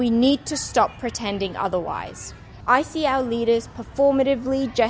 ini adalah genosida dan kita harus berhenti berpura pura lainnya